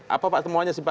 apa pak temuannya sih pak